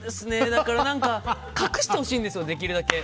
だから、隠してほしいんですよできるだけ。